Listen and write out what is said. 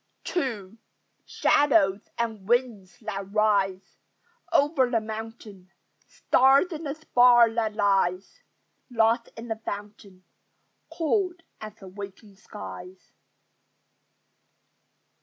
II Shadows and winds that rise Over the mountain: Stars in the spar that lies Lost in the fountain, Cold as the waking skies.